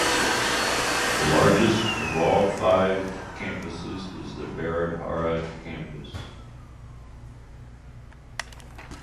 The largest of all five campuses is the Baridhara campus.